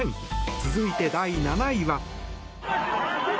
続いて、第７位は。